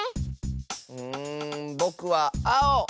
うんぼくはあお！